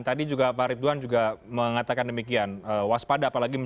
tadi juga pak ridwan